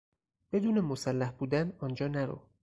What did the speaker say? بدون مسلح بودن آنجا نرو!